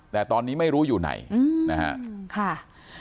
แต่ตอนนี้ไม่รู้อยู่ไหนนะฮะค่ะ